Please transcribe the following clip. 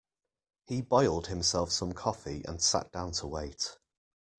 He boiled himself some coffee and sat down to wait.